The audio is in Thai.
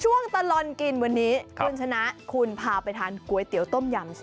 ช่วงตลอดกินวันนี้คุณชนะคุณพาไปทานก๋วยเตี๋ยวต้มยำ